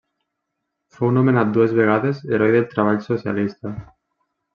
Fou nomenat dues vegades Heroi del Treball Socialista.